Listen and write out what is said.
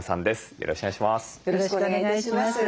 よろしくお願いします。